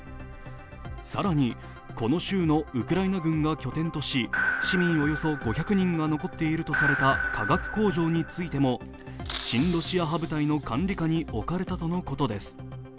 更に、この州のウクライナ軍が拠点とし、市民およそ５００人が残っているとされた化学工場についても親ロシア派部隊の管理下に置かれたとのことです。